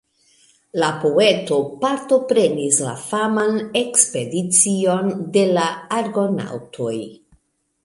La poeto partoprenis la faman ekspedicion de la argonaŭtoj.